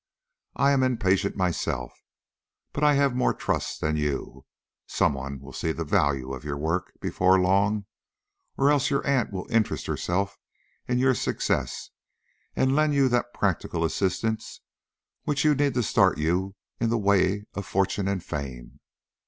I am impatient myself, but I have more trust than you. Some one will see the value of your work before long, or else your aunt will interest herself in your success, and lend you that practical assistance which you need to start you in the way of fortune and fame.